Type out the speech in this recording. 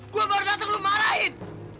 gua baru dateng lu marahin